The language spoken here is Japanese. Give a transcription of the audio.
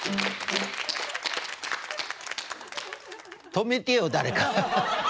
止めてよ誰か。